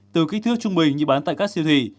từ kích thước trung bình như bán tại các siêu thị